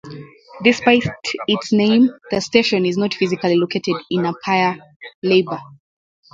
Despite its name, the station is not physically located in Paya Lebar.